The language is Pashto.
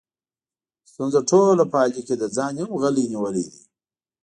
ستونزه ټوله په علي کې ده، ځان یې هم غلی نیولی دی.